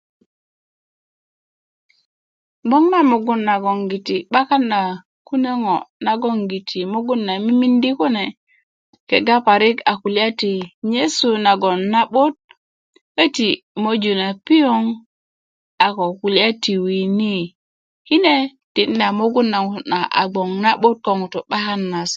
gboŋ na mogun na goŋ giti 'bakan na kuneŋo naŋ mogun na mimidi kune kega parik a kulya ti nyesú nagon na 'but käti moju na piyoŋ a ko kulya ti winii kine tiida mogun na ŋutú na a gboŋ na 'but ko ŋutú 'bakan na sé